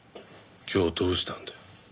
今日どうしたんだよ。